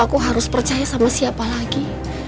aku harus percaya sama siapa lagi